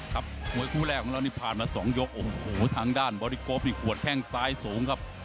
มวยคู่แรกของเรานี่ผ่านมาสองยกโอ้โหทางด้านบอริโกนี่หัวแข้งซ้ายสูงครับ